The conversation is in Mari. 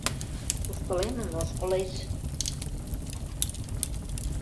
Куштылемын ошкылеш!